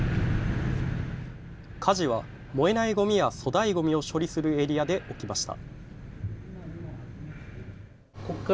火事は燃えないごみや粗大ごみを処理するエリアで起きました。